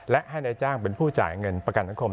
และให้นายจ้างเป็นผู้จ่ายเงินประกันสังคม